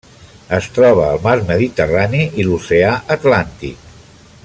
Es troba al mar Mediterrani i l'oceà Atlàntic.